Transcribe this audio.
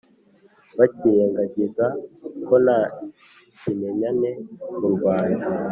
bakirengagiza ko nta kimenyane mu rwanda